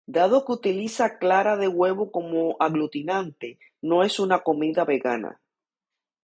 Dado que utiliza clara de huevo como aglutinante, no es una comida vegana.